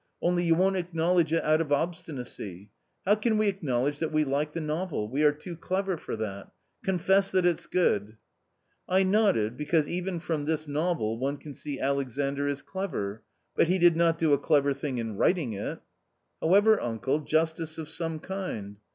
Only you won't acknowledge it out of obstinacy. How can we acknowledge that we like the novel ! We are too clever for that. Confess that it's good." u I nodded ; because even from this novel one can see Alexandr is clever; but he did not do a clever thing in writing it." " However, uncle, justice of some kind."